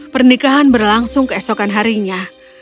pernikahan berlangsung keesokan harinya